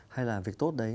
hay là việc tốt đấy